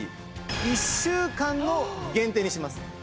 １週間の限定にしてます。